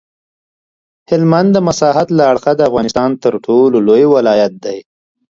هلمند د مساحت له اړخه د افغانستان تر ټولو لوی ولایت دی.